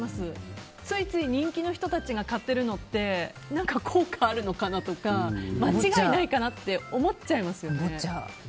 ついつい人気の人たちが買ってるのって効果あるのかなとか間違いないかなって思っちゃいますよね。